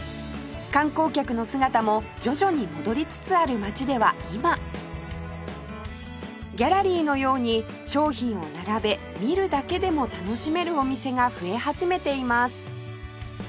観光客の姿も徐々に戻りつつある街では今ギャラリーのように商品を並べ見るだけでも楽しめるお店が増え始めています